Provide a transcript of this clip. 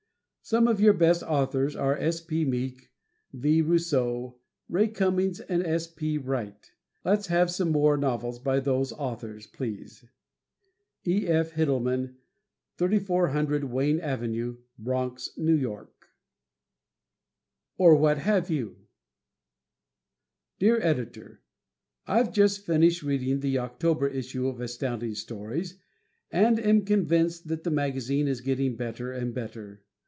Some of your best authors are: S. P. Meek, V. Rousseau, Ray Cummings and S. P. Wright. Let's have some more novels by those authors, please. E. F. Hittleman, 3400 Wayne Ave., Bronx, N. Y. "Or What Have You?" Dear Editor: I've just finished reading the October issue of Astounding Stories and am convinced that the magazine is getting better and better.